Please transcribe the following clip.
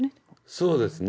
そうですね。